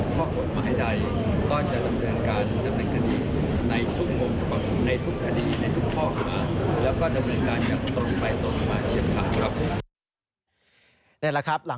ผมจะอ้างอะไรก็ได้แต่ว่า